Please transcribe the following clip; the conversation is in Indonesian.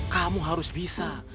kamu harus bisa